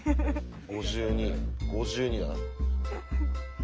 ５２５２だな。